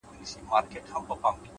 خپل ژوند د خیر سرچینه وګرځوئ’